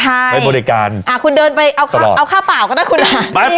ใช่เป็นบริการอ่ะคุณเดินไปตลอดเอาค่าเปล่าก็ได้คุณอ่ะ